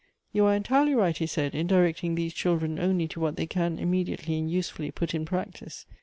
"You are entirely right," he said, "in directing these children only to what they can immediately and usefully put in practice.